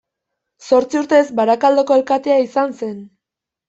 Zortzi urtez Barakaldoko alkatea izan zen.